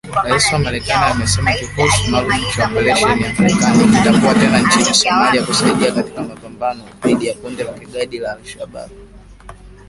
Rais wa Somalia anasema kikosi maalum cha operesheni cha Marekani kitakuwa tena nchini Somalia kusaidia katika mapambano dhidi ya kundi la kigaidi la al-Shabaab